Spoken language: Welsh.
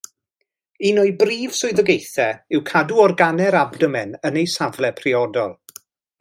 Un o'i brif swyddogaethau yw cadw organau'r abdomen yn eu safle priodol.